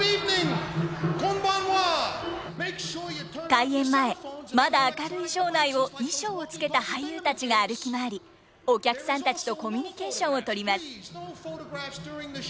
開演前まだ明るい場内を衣装を着けた俳優たちが歩き回りお客さんたちとコミュニケーションをとります。